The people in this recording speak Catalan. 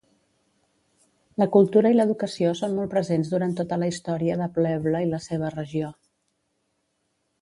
La cultura i l'educació són molt presents durant tota la història de Pljevlja i la seva regió.